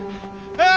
ああ！